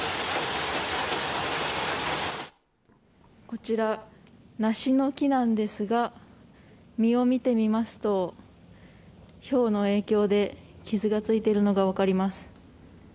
こちら、梨の木なんですが実を見てみますとひょうの影響で傷がついているのが分かります。